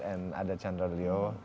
and ada chandra leo